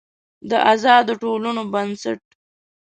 د آزادو ټولنو بنسټ